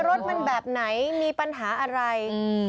รถมันแบบไหนมีปัญหาอะไร